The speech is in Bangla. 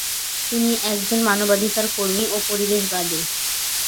তিনি একজন মানবাধিকার কর্মী ও পরিবেশবাদী।